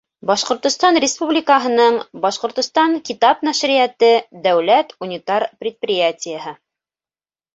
Башҡортостан Республикаһының «Башҡортостан «Китап» нәшриәте» дәүләт унитар предприятиеһы.